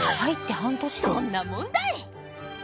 どんなもんだい！